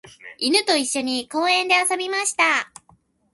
犬と一緒に公園で遊びました。